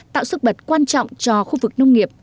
tạo sức bật quan trọng cho khu vực nông nghiệp